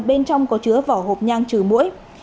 bên trong có chứa vỏ hộp nhang trừ mũi